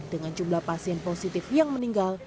dengan jumlah pasien positif yang meninggal